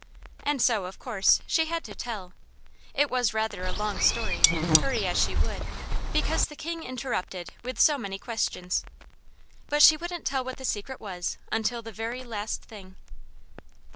And so, of course, she had to tell. It was rather a long story, hurry as she would, because the King interrupted with so many questions. But she wouldn't tell what the Secret was until "the very last thing."